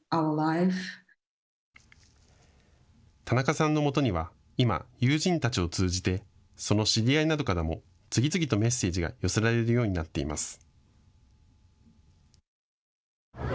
田中さんのもとには今、友人たちを通じてその知り合いなどからも次々とメッセージが寄せられるようになっています。